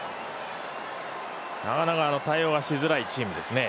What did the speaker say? なかなか対応がしづらいチームですね。